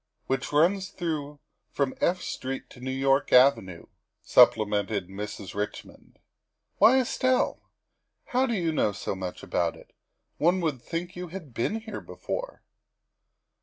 " Which runs through from F Street to New York Avenue, '' supplemented Mrs. Redmond. " Why, Estelle, how do you know so much about it? One would think you had been here before."